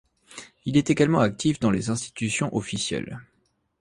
Il est également actif dans les institutions officielles.